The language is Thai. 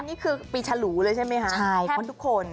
อันนี้คือปีฉลูเลยใช่ไหมคะแทบทุกคน